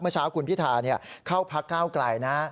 เมื่อเช้าคุณพิธาเข้าพักก้าวไกลนะ